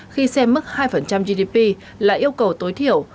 khi xem mức hai gdp là yêu cầu tối thiểu